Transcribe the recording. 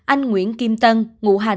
anh nguyễn kim tân ngủ hành